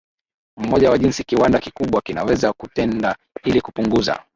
mmoja wa jinsi kiwanda kikubwa kinaweza kutenda ili kupunguza